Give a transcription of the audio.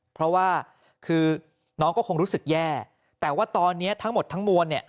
เพราะว่าคือน้องก็คงรู้สึกแย่แต่ว่าตอนนี้ทั้งหมดทั้งมวลเนี่ย